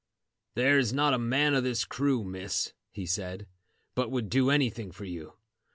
"There is not a man of this crew, Miss," he said, "but would do anything for you.